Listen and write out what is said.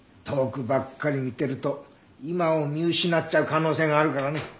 遠くばっかり見てると今を見失っちゃう可能性があるからね。